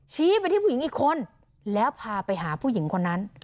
ชี้ไปที่ผู้หญิงอีกคนแล้วพาไปหาผู้หญิงคนนั้น